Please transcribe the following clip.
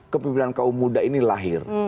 kepimpinan kaum muda ini lahir